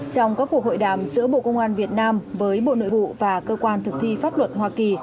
trong các cuộc hội đàm giữa bộ công an việt nam với bộ nội vụ và cơ quan thực thi pháp luật hoa kỳ